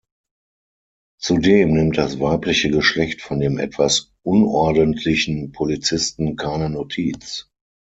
Zudem nimmt das weibliche Geschlecht von dem etwas unordentlichen Polizisten keine Notiz.